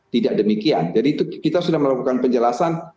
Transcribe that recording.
tidak demikian jadi itu kita sudah melakukan penjelasan